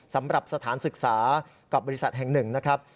สำหรับสถานศึกษากับบริษัทแห่งหนึ่งนะครับ